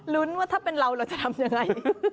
ว่าถ้าเป็นเราเราจะทำยังไง